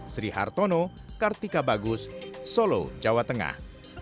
sri hartono kartika bagus solo jawa tengah